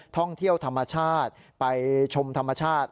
ท่องเที่ยวธรรมชาติไปชมธรรมชาติ